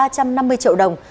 ba trăm năm mươi triệu đồng